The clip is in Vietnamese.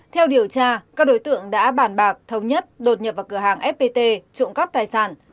theo điều tra các đối tượng đã bản bạc thống nhất đột nhập vào cửa hàng fpt trộm cắp tài sản